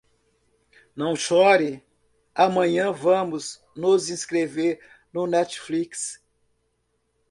Não chore, amanhã vamos nos inscrever no Netflix.